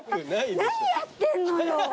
何やってんのよ。